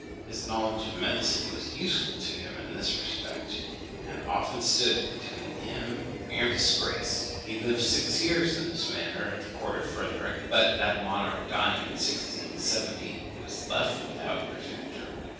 His knowledge of medicine was useful to him in this respect, and often stood between him and disgrace. He lived six years in this manner at the court of Frederick; but that monarch dying in 1670 he was left without a protector.